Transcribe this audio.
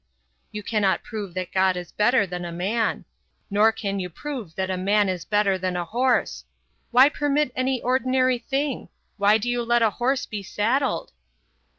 You cannot prove that God is better than a man; nor can you prove that a man is better than a horse. Why permit any ordinary thing? Why do you let a horse be saddled?"